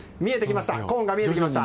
コーンが見えてきました。